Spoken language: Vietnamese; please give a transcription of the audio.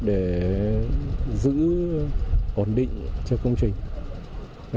để giữ ổn định cho công trình